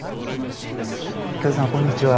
お客さんこんにちは。